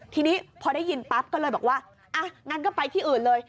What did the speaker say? ทีนี้พอได้ยินปั๊บก็เลยบอกว่าอ่ะงั้นก็ไปที่อื่นเลย